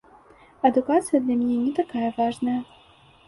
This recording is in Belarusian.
Адукацыя для мяне не такая важная.